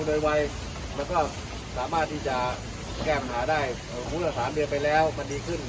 โดยวัยมันก็สามารถที่จะแก้ปัญหาได้สมมุติว่า๓เดือนไปแล้วมันดีขึ้น